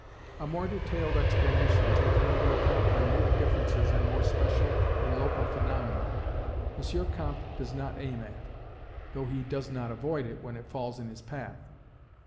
A more detailed explanation, taking into account minute differences and more special and local phaenomena, M. Comte does not aim at, though he does not avoid it when it falls in his path.